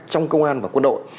trong công an và quân đội